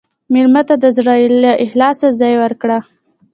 مېلمه ته د زړه له اخلاصه ځای ورکړه.